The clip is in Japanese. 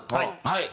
はい。